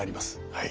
はい。